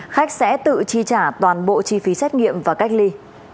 khách sẽ tự chi trả toàn bộ chi phí xét nghiệm và cách ly